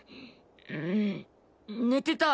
うーん寝てた。